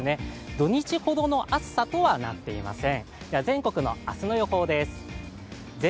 土日ほどの暑さとはなっていません。